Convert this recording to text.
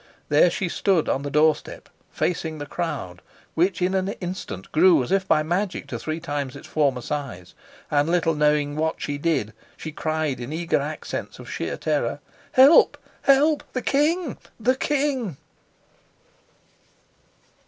There she stood on the doorstep, facing the crowd, which in an instant grew as if by magic to three times its former size, and, little knowing what she did, she cried in the eager accents of sheer terror: "Help, help! The king! The king!"